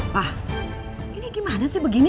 wah ini gimana sih begini